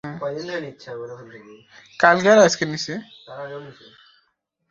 আর পরমাণু আলোর রঙের ওপর প্রভাব ফেলে।